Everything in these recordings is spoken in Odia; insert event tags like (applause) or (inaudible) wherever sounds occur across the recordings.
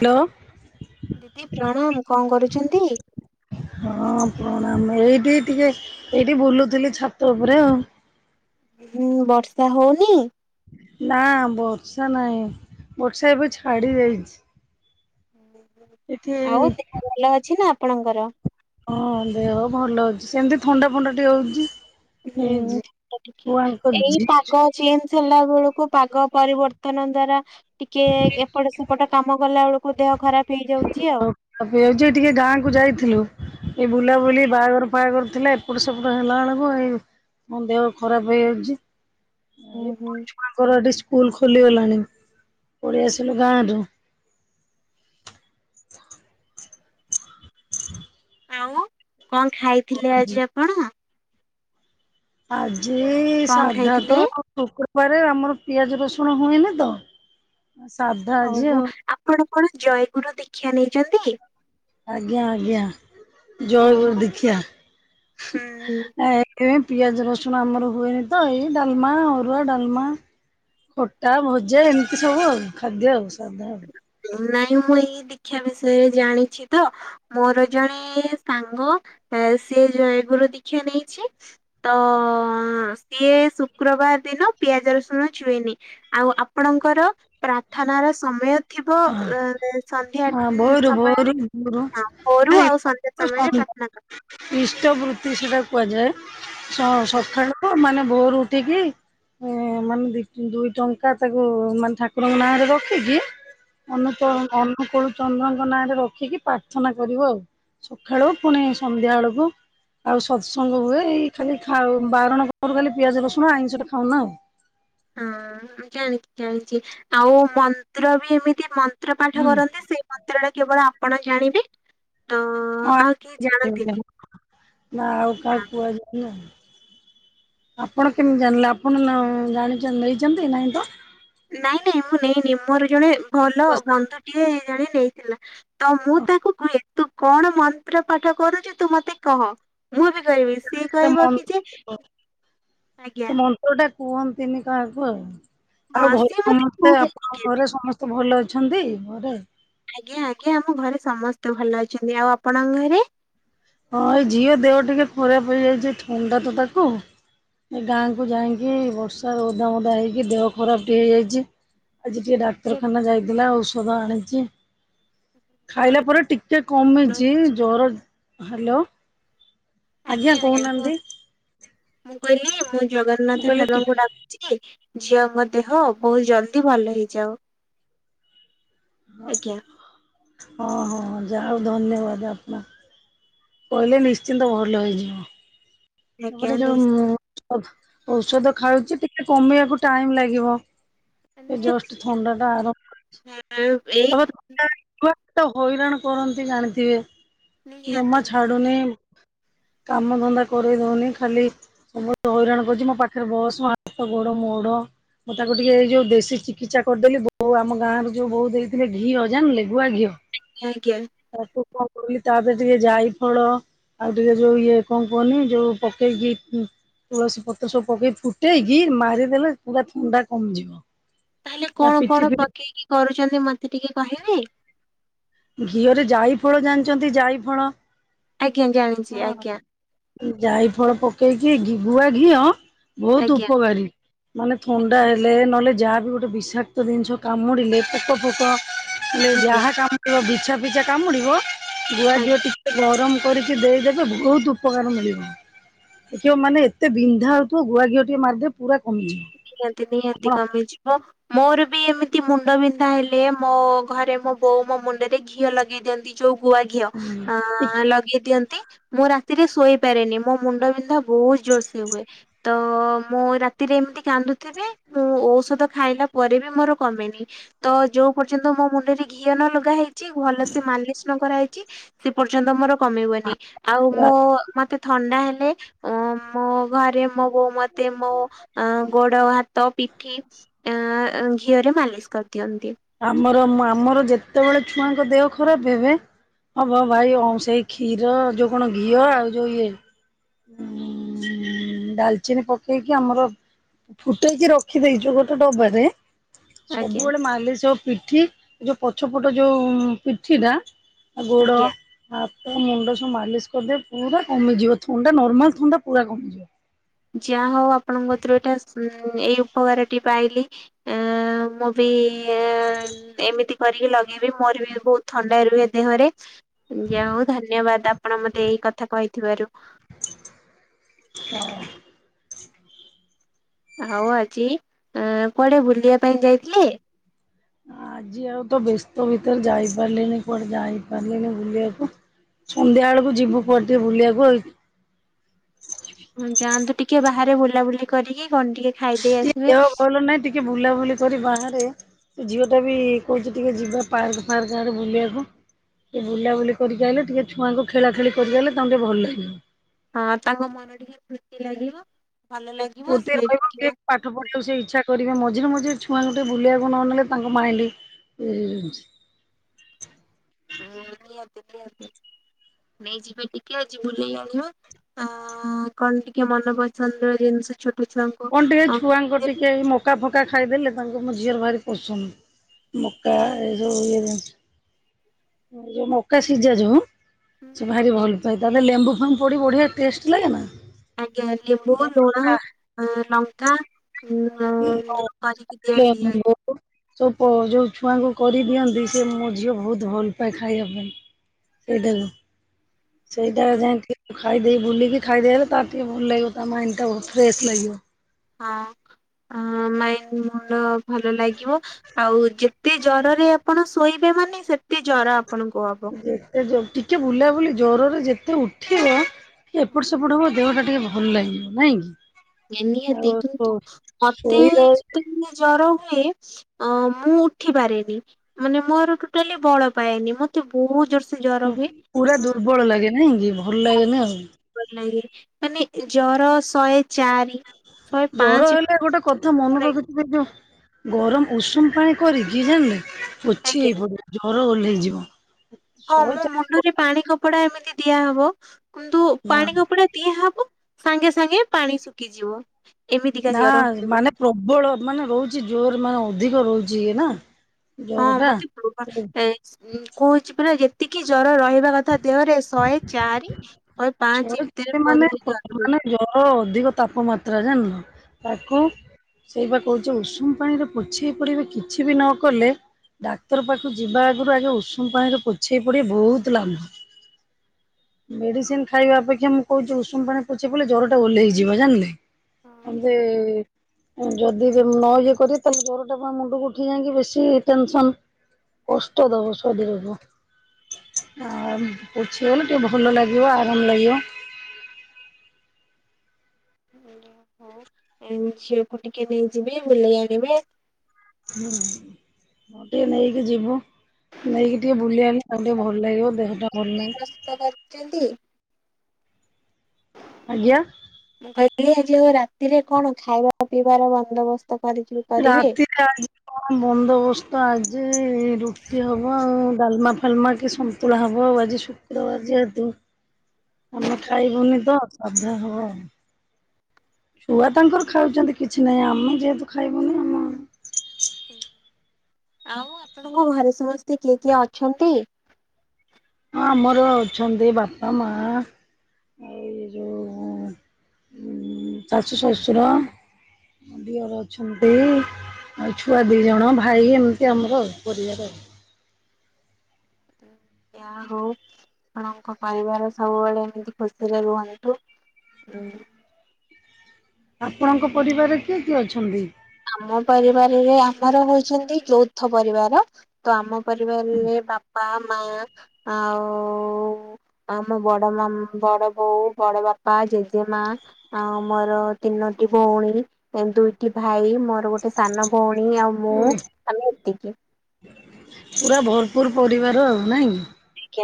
ହ୍ୟାଲୋ। ଦିଦି ପ୍ରଣାମ କଣ କରୁଛନ୍ତି? କଣ ଏଇଠି ଟିକେ ଏଇଠି ବୁଲୁଥିଲି ଛାତ ଉପରେ ଆଉ। ହୁଁ ବର୍ଷା ହଉନି? ନା ବର୍ଷା ନାଇଁ ବର୍ଷା ଏବେ ଛାଡି ଯାଇଛି। ଏଠି ଆଉ ଦେହ ଭଲ ଅଛି ନା ଆପଣଙ୍କର? ହଁ ଦେହ ଭଲ ଅଉଛି ସେମିତି ଥଣ୍ଡା ଫଣ୍ଡା ଟିକେ ହଉଛି। ହୁଁ ଏଇ ଜି ଛୁଆଙ୍କ ଏଇ ଜି ପାଗ ଚେଞଜ ହେଲା ବେଳକୁ। କୁ ପାଗ ପରିବର୍ତ୍ତନ ଦ୍ଵାରା ଟିକେ ଏପଟ ସେପଟ କାମ କଲା ବେଳକୁ ଦେହ ଖରାପ ହେଇଯାଉଛି ଆଉ। ହଉଛି ଟିକେ ଗାଁ କୁ ଯାଇଥିଲୁ ଏଇ ବୁଲାବୁଲି ବାହାଘର ଫହାଘର ଥିଲା ଏପଟ ସେପଟ ହେଲା ବେଳକୁ ଏଇ ମୋ ଦେହ ଖରାପ ହୁଁ ହେଇଯାଉଛି। ହୁଁ ପମାଙ୍କରଠି ସ୍କୁଲ ଖୋଲିଗଲାଣି ପଢି ଆସିଲୁ ଗାଁ ରୁ। ଆଉ କଣ ଖାଇଥିଲେ ଆଜି ଆପଣ? ଆଜି କଣ ସାଧା ଖାଇଥିଲେ? ତ ରେ ଆମର ପିଆଜ ରସୁଣ ହୁଏନି ତ ସାଧା ଆଜି ଓହୋ ଆଉ ଆପଣ କଣ ଜୟଗୁରୁ ଦୀକ୍ଷା ନେଇଛନ୍ତି? ଆଜ୍ଞା ଆଜ୍ଞା ଓ ଜୟଗୁରୁ ଦୀକ୍ଷା। ହୁଁ ଏ ପିଆଜ ରସୁଣ ଆମର ହୁଏନି ତ ଏଇ ଡାଲମା ଅରୁଆ, ଡାଲମା। ଖୋଟା ଭଜା ଏମିତି ସବୁ ଆଉ ଖାଦ୍ୟ ଆଉ ସାଧା ଆଉ। ନାଇଁ ମୁଁ ଏଇ ଦୀକ୍ଷା ବିଷୟରେ ଜାଣିଛି ତ ମୋର ଜଣେ ସାଙ୍ଗ ସିଏ ଦୀକ୍ଷା ନେଇଛି ତ ସି ଶୁକ୍ରବାର ଦିନ ପିଆଜ ରସୁଣ ଚୁଇନି ଆଉ ଆପଣଙ୍କର ପ୍ରାର୍ଥନ ର ଥିବ ଆଉ। ସନ୍ଧ୍ୟା ହଁ ଭୋରୁ ଭୋରୁ ସମୟରେ ଭୋରୁ ମୋରୁ ଆଉ ସନ୍ଧ୍ୟା ନାଇଁ ସମୟରେ ନା ଇଷ୍ଟ ବୃତ୍ତି ସେଟା କୁହାଯାଏ କରିଥାଏ। ସକାଳୁ ମାନେ ଭୋର ଉଠିକି ହ ମାନେ ଦୁଇ ଟଙ୍କା ତାକୁ ମାନେ ଠାକୁରଙ୍କ ନାଁରେ ରଖିକି ଅନୁ ଆଜ୍ଞା। ଅନୁକୂଳ ଚନ୍ଦ୍ରଙ୍କ ନାଁରେ ରଖିକି ପ୍ରାର୍ଥନା କରିବ ଆଉ। ସକାଳୁ ପୁଣି ସନ୍ଧ୍ୟା ବେଳକୁ। ଆଉ ସତସଙ୍ଗ ହୁଏ। ଏଇ ଖାଲି ଖାଉ ବାରଣ କରୁ ଖାଲି ପିଆଜ ରସୁଣ ଆଇଁଷ ଟା ଖାଉନ ଆଉ। ହୁଁ ଜାଣିଛିି ଜାଣିଛି ଆଉ ମନ୍ତ୍ର ବି ଏମିତି ମ ମନ୍ତ୍ର ହୁଁ ପାଠ କରନ୍ତି ସେଇ ମନ୍ତ୍ର ଟା କେବଳ ଆପଣ ଜାଣିବେ। ତ ହଁ ଆଉ କେହି ଜାଣିବୁ ଜାଣନ୍ତିନି। ଆମେ ନା ଆଉ କାହା କୁହାଯାଏନି ଆଉ। ଆପଣ କେମିତି ଜାଣିଲେ ଆପଣ ଜାଣି ନେଇଛନ୍ତି ନାହିଁ ତ। ନାଇଁ ନାଇଁ ମୁଁ ନେଇନି ମୋର ଜଣେ ଭଲ ବନ୍ଧୁ ଟିଏ ଜଣେ ନେଇ ଥିଲା। ତ ମୁଁ ତାକୁ କୁହେ ତୁ କଣ ମନ୍ତ୍ର ପାଠ କରୁଛୁ ତୁ ମତେ କହ। ମୁଁ ବି କହିବି ସିଏ କହିବ କି ଯେ ସେ ଆଜ୍ଞା। ମନ୍ତ୍ର ଟା କୁହନ୍ତିନି କାହାକୁ ଆଉ। ଆଉ ହଁ ଘରେ ସିଏ ମତେ ସମସ୍ତେ କୁହେ ଆପଣଙ୍କ ଟିକେ ବି, ଘରେ ସମସ୍ତେ ଭଲ ଅ ଅଛନ୍ତି ଘରେ। ଆଜ୍ଞା ଆଜ୍ଞା ଆମ ଘରେ ସମସ୍ତେ ଭଲ ଅଛନ୍ତି। ଆଉ ଆପଣଙ୍କ ଘରେ? ହଁ ଏଇ ଝିଅ ଦେହ ଟିକେ ଖରାପ ହେଇଯାଇଛି ଥଣ୍ଡା ତ ତାକୁ। ଏ ଗାଁ କୁ ଯାଇକି ବର୍ଷାରେ ଓଦା ମଦା ହେଇକି ଦେହ ଖରାପ ଟିକେ ହେଇଯାଇଛି। ଆଜି ଟିକେ ଏ ଡାକ୍ତରଖାନା ଯାଇଥିଲା ଔଷଧ ଆଣିଚି। ଭଲ, ଖାଇଲା ପରେ ଟିକେ କମିଛି। ଜର ହ୍ୟାଲୋ ଆଜ୍ଞା କହୁନାହାନ୍ତି। ମୁଁ କହିଲି ମୁଁ ମୁଁ ଜଗନ୍ନାଥ କହିଲି ଟି ଠାକୁରଙ୍କୁ ଡାକୁଚି ଝିଅଙ୍କ ଦେହ ବହୁତ ଜଲଦି ଭଲ ହେଇଯାଉ। ହଁ ଆଜ୍ଞା ହଁ ହଁ ହଁ ଯାହାଉ ଧନ୍ୟବାଦ। ଆପଣ କହିଲେ ନିଶ୍ଚିନ୍ତ ଭଲ ହେଇଯିବ। ଆଜ୍ଞା ତାପରେ ଯୋଉ ଔଷଧ ଖାଉଚି ଟିକେ କମେଇବାକୁ ଟାଇମ ଲାଗିବ। ଏ ନିଶ୍ଚୟ। ଯଷ୍ଟ ଥଣ୍ଡା ଟା ଆର ନିହାତି। ଏଇ ଛୁଆ ତ ହଇରାଣ କରନ୍ତି ଜାଣିଥିବେ। ନିହାତି ଜମା ଛାଡୁନି (inaudible) କାମ ଧନ୍ଦା କରେଇ ଦଉନି। ଖାଲି ବହୁତ୍ ହଇରାଣ କରୁଛି ମୋ ପାଖରେ ବସ୍ ମୋ ହାତ ଗୋଡ ମୋଡ। ମୁଁ ତାକୁ ଟିକେ ଏଇ ଯୋଉ ଦେଶୀ ଚିକିତ୍ସା କରିଦେଲି। ବୋଉ ଆମ ଗାଁ ରୁ ଯୋଉ ମହୁ ଦେଇଥି ଘିଅ ଜାଣିଲେ ଗୁଆ ଘିଅ ଆଜ୍ଞା। ତାପରେ ଟିକେ ଯାଇ ଫଳ ଆଉ ଟିକେ ଯୋଉ ଇଏ କଣ କିହନି ଯୋଉ ପକେଇକି ତୁଳସୀ ପତ୍ର ସବୁ ପକେଇ ଫୁଟେଇକି ମାରିଦେଲେ ପୁରା ଥଣ୍ଡା କମିଯିବ। ତାହେଲେ ତା କଣ ପିଠି କଣ ଫିଠି ପକେଇକି କରୁଛନ୍ତି ମତେ ଟିକେ କହିବେ। ଘିଅରେ ଯାଇ ଫଳ ଜାଣିଛନ୍ତି ଯାଇ ଫଳ ଆଜ୍ଞା ଜାଣିଛି ଆଜ୍ଞା ହଁ ଯାଇ ଫଳ ପକେଇ କି ଗୁଆ ଘିଅ ବହୁତ ଆଜ୍ଞା ଉପକାରୀ। ମାନେ ଥଣ୍ଡା ଆଜ୍ଞା ହେଲେ ନହେଲେ ଯାହାବି ଗୋଟେ ବିଷାକ୍ତ ଜିନିଷ କାମୁଡିଲେ ପୋକ ଫୋକ ହେଲେ ଆଜ୍ଞା ଯାହା କାମୁଡ଼ିବ ବିଛା ପିଛା କାମୁଡିବ ଆଜ୍ଞା। ଗୁଆଝିଅ ଟିକେ ଗରମ କରି ଦେଇଦେବେ ବହୁତ ଉପକାର ମିଳିବ। ଦେଖବ ମାନେ ଏତେ ବିନ୍ଧା ହଉଥିବ ଗୁଆ ଘିଅ ଟିକେ ମାରଦେବ ପୁରା କମିଯିବ ନିହାତି ନିହାତି ଆପଣ କମିଯିବ। ମୋର ବି ଏମିତି ମୁଣ୍ଡ ବିନ୍ଧା ହେଲେ ମୋ ଘରେ ମୋ ବୋଉ ମୋ ମୁଣ୍ଡରେ ଘିଅ ଲଗେଇ ଦିଅନ୍ତି ଯୋଉ ଗୁଆ ଘିଅ ହୁଁ ଅ ଲଗେଇ ଦିଅନ୍ତି। ମୁଁ ରାତିରେ ଶୋଇପାରେନି। ମୋ ମୁଣ୍ଡବନ୍ଧା ବହୁତ ଜୋରସେ ହୁଏ। ତ ମୁଁ ରାତିରେ ଏମିତି କାନ୍ଦୁଥିବି। ମୁଁ ଔଷଧ ଖାଇଲା ପରେ ବି ମୋର କମେନି। ତ ଯୋଉ ପର୍ଯ୍ୟନ୍ତ ମୋ ମୁଣ୍ଡରେ ଘିଅ ନଲଗା ହେଇ ଚି ଭଲ ସେ ମାଲିସ ନ କରାହେଇଛି ସେ ପର୍ଯ୍ୟନ୍ତ ମୋର କମିବନି। ଆଉ ପୁରା ମୋ ମତେ ଥଣ୍ଡା ହେଲେ ଅ ମୋ ଘରେ ମୋ ବୋଉ ମତେ ମୋ ଅ ଗୋଡ ହାତ ପିଠି ଘିଅରେ ମାଲିସ କରିଦ ଆମର ଆମର ଯେତେବେଳେ ଛୁଆଙ୍କ ଦେହ ଖରାପ ହେବେ ହଁ ଭ ଭାଇ ଅଉ ସେଇ ଖୀର ଯଉ କଣ ଘିଅ ଆଉ ଯଉ ଇଏ ହୁଁ । ଡାଲଚିନି ପକେଇକି, ଆମର ଫୁଟେଇକି ରଖିଦେଇଛୁ ଗୋଟେ ଡବାରେ ଆଜ୍ଞା। ସବୁବେଳେ ମାଲିସ ହୋଉ ପିଠି, ଯୋଉ ପଛ ପଟ ଯୋଉ ପିଠିଟା ଗୋଡ଼ ଆଜ୍ଞା। ଆ ମୁଣ୍ଡ ସବୁ ମାଲିସ କରିଦେ ପୁରା କମିଯିବ, ଥଣ୍ଡା ନର୍ମାଲ ଥଣ୍ଡା, ପୁରା କମିଯିବ । ଯା ହଉ ଆପଣଙ୍କ କତିରୁ, ଏଇଟା ଏଇ ଉପକାରଟି ପାଇଲି ମୁଁ ବି ଆ ଏମିତି କରିକି ଲଗେଇବି, ମୋର ବି ବହୁତ ଥଣ୍ଡା ରୁହେ ଦେହରେ, ଯା ହଉ ଧନ୍ୟବାଦ, ଆପଣ ମତେ ଏଇ କଥା କହିଥିବାରୁ ହଁ (unintelligible) ଆଉ ଆଜି କୁଆଡେ ବୁଲିବା ପାଇଁ ଯାଇଥିଲେ? ଆଜି ଆଉ ତ ବ୍ୟସ୍ତ ଭିତରେ ଯାଇପାରିଲିନି କୁଆଡେ, ଯାଇ ପାରିଲିନି ବୁଲିବାକୁ ସନ୍ଧ୍ୟା ବେଳକୁ ଯିବୁ କୁଆଡେ ଟିକେ ବୁଲିବାକୁ ଆଉ । ଯାଆନ୍ତୁ ଟିକେ, ବାହାରେ ବୁଲାବୁଲି କରିକି କଣ ଟିକେ ଖାଇଦେଇ ଆସିବେ ଟିକେ ଦେହ ଭଲ ନାଇଁ, ଟିକେ ବୁଲାବୁଲି କରି ବାହାରେ ସେ ଝିଅ ଟା ବି କହୁଛି ଟିକେ ଯିବା ପାର୍କ ଫାର୍କ ଆଡେ ବୁଲିବାକୁ । ଟେ ବୁଲାବୁଲି କରିକି ଆସଲେ, ଟିକେ ଛୁଆଙ୍କୁ ଖେଳା ଖେଳି କରିଦେଲେ, ତାଙ୍କୁ ଟିକେ ଭଲ ଲାଗିବ । ହଁ ତାଙ୍କ ମନ ଟିକେ ଫୁର୍ତ୍ତି ଲାଗିବ । ପୂର୍ତ୍ତି ରହିବ କି ପାଠ ପଢିବାକୁ ସେ ଇଚ୍ଛା କରିବେ, ମଝିରେ ମଝିରେ ଛୁଆମାନଙ୍କୁ ଟିକେ ବୁଲିବାକୁ ନ ନେଲେ, ତାଙ୍କ ମାଇଣ୍ଡ ଇଏ ହେଇଯାଉଛି । ହଁ ନିହାତି, ନିହାତି ନେଇ ଯିବେ ଟିକେ, ଆଜି ବୁଲେଇ ଆ ଅ କଣ ଟିକେ ମନପସନ୍ଦର ଜିନିଷ ଛୋଟ ଛୁଆଙ୍କୁ କଣ ଟିକେ ଅ ଛୁଆଙ୍କ ଦେବି ଟିକେ ମକା ଫକା ଖାଇଦେଲେ, ତାଙ୍କୁ ମୋ ଝିଅର ବାହାରି ପୋଷୁନି ମକା ଏ ସବୁ ଇଏ ଯୋଉ, ମକା ସିଜା ଯଉ ସେ ଭାରି ଭଲ ପାଏ, ତାହେଲେ ଲେମ୍ବୁଫେମ୍ବୁ ପଡି ବଢିଆ ଟେଷ୍ଟ ଲାଗେ ନା ଆଜ୍ଞା, ଲେମ୍ବୁ, ଲୁଣ, ଲଙ୍କା ହଁ ମ କାରି କି ଆନ୍ତି ଏଇଠ (unintelligible) ସ ଯୋଉ ଛୁଆଙ୍କୁ କରିଦିଅନ୍ତି, ସେ ମୋ ଝିଅ ବହୁତ ଭଲ ପାଏ ଖାଇବା ପାଇଁ । ସେଇଟାକୁ, ସେଇଟା ଆଜ୍ଞା ଯାଇକି ଖାଇ ଦେଇ, ବୁଲିକି ଖାଇଦେଇ ଆଇଲେ, ତା ଟିକେ ଭଲ ଲାଗିବ, ତା ମାଇଣ୍ଡ ଟା ବହୁତ ଫ୍ରେଶ୍ ଲାଗିବ । ହଁ । ଅ ମାଇଣ୍ଡ ଭଲ ଲାଗିବ ଆଉ ଯେତେ ଜରରେ ଆପଣ ଶୋଇବେ ାଇ ସୋର୍ (unintelligible) ଯେତେ ଟିକେ ବୁଲାବୁଲି, ଜରରେ ଯେତେ ଉଠିବ ଏପଟ ସେପଟ ହବ, ଦେହ ଟା ଟିକେ ଭଲ ଲାଗିବ ନାଇଁ କି? ନିହାତି, ଆଉ କିନ୍ତୁ ମତେ ଶୋଇ ରହି ତେ ଜର ମୁଁ ଉଠି ପାରେନି, ମାନେ ମୋର ଟୋଟାଲି ବଳ ପାଏନି, ମତେ ବହୁତ ଜୋ ପୁରା ଦୁର୍ବଳ ଲାଗେ ନାଇଁ କି? ଭଲ ଲାଗେନି ଆଉ ଭଲ ଲାଗେ ମାନେ ଜର ସହେତ ଜର ହେଲେ ଗୋଟେ କଥା ମନେ ରଖ (unintelligible) ଗରମ ଉଷୁମ ପାଣି କରିକି ଜାଣିଲେ, ପୋଛି ହେଇ ଆଜ୍ଞା ପଡିବ, ଜର ଓହ୍ଲେଇଯିବ । ହଁ ମୋ ମୁଣ୍ଡରେ ପାଣି କପଡା ଏମିତି ଦିଆହବ । କିନ୍ତୁ ନା ପାଣି କପଡା ତିଆ ହବ, ସାଙ୍ଗେ ସାଙ୍ଗେ ପାଣି ଶୁଖିଯିବ । ନା ମାନେ ପ୍ରବଳ ମାନେ ରହୁଛି, ଜୋର ମାନେ ଅଧିକ ରହୁଛି, ଇଏ ନା ଜର ହଁ ଟା ତ ମତେ କଉଛି ପୁରା ଯେତିକି ଜର ରହ କହ କଥା ଦେହରେ ଶହେ ଚାରି ଶହେ ପାଞ୍ଚ ଭିତରେ ମାନେ, ବୋଧହୁଏ ଜର ମାନେ ରହୁଛି। ଜଳ ଅଧିକ ତାପମାତ୍ରା ପତ୍ର ଜନ୍ (unintelligible) ତାକୁ ସେଇ ବା କହୁଛ ଉଷୁମ ପାଣିରେ ପୋଛି ହେଇ ପଡିବେ, କିଛି ବି ନ କଲେ ଡାକ୍ତର ପାଖକୁ ଯିବା ଆଗରୁ ଆଗେ ଉଷୁମ ପାଣି ରେ ପୋଛେଇ ପଡିବ ବହୁତ ଲାମ୍ଭ (inaudible) ମେଡିସିନ ଖାଇବା ଅପେକ୍ଷା ମୁଁ କହୁଚି ଉଷୁମ ପାଣିରେ ପୋଛି ହୋଇ ପଲେ ଜର ଟା ଓହ୍ଲଇଯିବ ଜାଣିଲେ। ହଁ ଯେ ଯିଏ ଯେ ନ ଇଏ କରି ତାଲେ ଜରଟା ପୁରା ମୁଣ୍ଡକୁ ଉଠି ଯାଇକି ବେଶୀ ଟେନସନ। କଷ୍ଟ ଦେବ ଶରୀରକୁ ଆ ପଛିହେଇଗଲେ ଟିକେ ଭଲ ଲାଗିବ ଆରାମ ଲାଗିବ। ବହୁତ୍ ପେଇଁନ ହଉଚି, ଅଳ୍ପ ଟିକେ ନେଇଯିବି ବୁଲେଇ ଆଣିବେ। ହୁଁ ମୁ ଟିକେ ନେଇକି ଯିବୁ। ନେଇକି ଟିକେ ବୁଲେଇ ଆଣିଲେ ଆଉ ଟିକେ ଭଲ ଲାଗିବ। ଦେହଟା ଭଲ ନାହିଁ (unintelligible) କରଛନ୍ତି? ଆଜ୍ଞା। ମୁ କହିଲି ଆଜି ଆଉ କଣ ରାତିରେ କଣ ଖାଇବା ପିଇବାର ବନ୍ଦୋବସ୍ତ? କରିକି କରିବେ? ରାତି ଆ କଣ ବନ୍ଦୋବସ୍ତ ଆଜି ରୁଟି ହବ ଆଉ। ଡାଲମା ଫାଲମା କି ସନ୍ତୁଳା ହବ ଆଉ ଆଜି ଶୁକ୍ରବାର ଯେହେତୁ। ଆମେ ଖାଇବୁନି ତ ସାଧା ହବ ଆଉ। ଛୁଆ ତାଙ୍କର ଖାଉଛଚନ୍ତି କିଛି ନାହିଁ ଆମେ ଯେହେତୁ ଖାଇବୁନି ଆମ ଆଉ ଆପଣଙ୍କ ଘରେ ସମସ୍ତେ କିଏ କିଏ ଅଛନ୍ତି? ହଁ ଆମର ଅଛନ୍ତି ବାପା ମା। ଏଇ ଯୋଉ ଶାଶୁ ଶ୍ୱଶୁର। ଦିଅର ଅଛନ୍ତି। ଆଉ ଛୁଆ ଦି ଜଣ ଭାଇ ଏମିତି ଆମର ପରିବାର। ଯାହା ହଉ ଆପଣଙ୍କ ପରିବାର ସବୁବେଳେ ଏମିତି ଖୁସିରେ ରୁହନ୍ତୁ। ହୁଁ। ଆପଣଙ୍କ ପରିବାରରେ କିଏ କିଏ ଅଛନ୍ତି? ଆମ ପରିବାରରେ ଆମର ହଉଚନ୍ତି ଯୌଥ ପରିବାର, ତ ଆମ ପରିବାରରେ ବାପା ମା ଆଉ ଆମ ବଡ ମାମା ବଡ ବୋଉ ବଡ ବାପା ଜେଜେମା ଆଉ ମୋର ତିନୋ ଦୁଇଟି ଭଉଣୀ ଦୁଇଟି ଭାଇ ମୋର ଗୋଟେ ସାନ ଭଉଣୀ ଆଉ ମୁଁ ଆମେ ଏତିକି। ପୁର୍ ପରିବାର ଆଉ ନାଇଁ।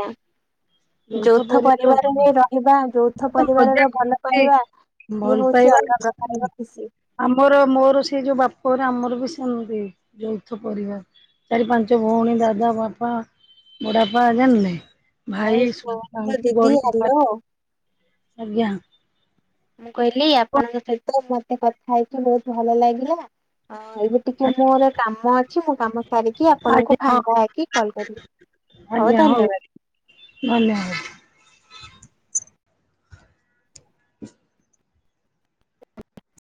ଆଜ୍ଞା। ଯୌଥ ପରିବାରରେ ରହିବା ଯୌଥ ପରିବାର ମଜା ର ଭଲ ଖୁସି ପାଇବା। ସିଏ ଭଲ ହଉଛି ପାଇବା, ଅଲଗା ପ୍ରକାରର ଖୁସି। ଆମର ମୋର ସେଇ ଯୋଉ ବାପଘରେ ଆମର ନ୍ତି ଯୌଥ ପରିବାର ଚାରି ପାଞ୍ଚ ଭଉଣୀ ଦାଦା ବାପା। ବଢାପା ଜାଣିଲେ ଭାଇ ହଉ ଶୁଣ ଦିଦି ଗଲେ ହ୍ୟାଲୋ। ଆଜ୍ଞା। ମୁଁ କହିଲି ଆପଣଙ୍କ ସହିତ ମତେ କଥା ହେଇଛକି ବହୁତ ଭଲ ଲାଗିଲା। ଏବେ ଟିକେ ମୋର କାମ ଅଛି ମୁଁ କାମ ସାରିକି ଆଜ୍ଞା ଆପଣଙ୍କୁ ହଁ ଭାଙ୍ଗା ହେଈକି କଲ୍ କରିବି। ହଉ ଧନ୍ୟବାଦ। ଧନ୍ୟବାଦ। (inaudible) ହ।